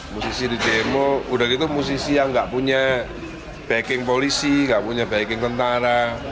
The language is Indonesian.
musisi didemo udah gitu musisi yang gak punya backing polisi gak punya backing tentara